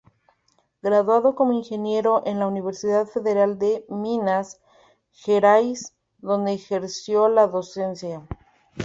Graduado como ingeniero en la Universidad Federal de Minas Gerais, donde ejerció la docencia.